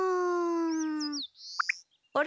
あれ？